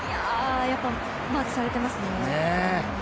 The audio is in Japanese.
やっぱりマークされてますね。